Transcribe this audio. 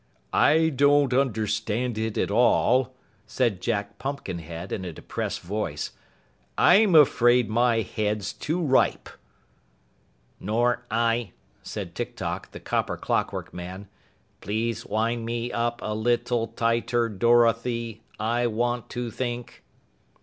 "I don't understand it at all," said Jack Pumpkinhead in a depressed voice. "I'm afraid my head's too ripe." "Nor I," said Tik Tok, the copper clockwork man. "Please wind me up a lit tle tight er Dor o thy, I want to think!"